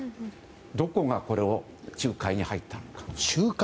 どこがこれを仲介に入ったのか。